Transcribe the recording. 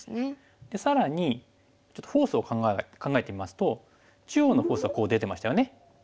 更にちょっとフォースを考えてみますと中央のフォースはこう出てましたよね。